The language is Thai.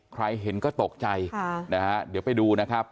ใครเห็นก็ตกใจนะฮะเดี๋ยวไปดูนะครับ